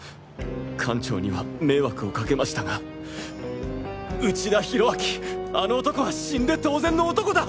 館長には迷惑をかけましたが内田博光あの男は死んで当然の男だ！